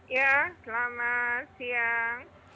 ya selamat siang